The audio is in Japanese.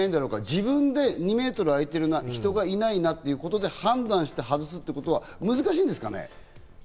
自分で２メートルあいてるな、人がいないなということで判断して外すことは難しいんですかね。